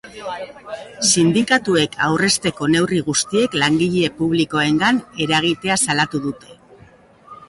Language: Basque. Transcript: Sindikatuek aurrezteko neurri guztiek langile publikoengan eragitea salatu dute.